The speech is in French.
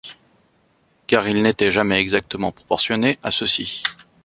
Car ils n’étaient jamais exactement proportionnés à ceux-ci.